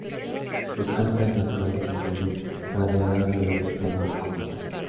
Sus hábitats naturales incluyen praderas, ríos y zonas rocosas.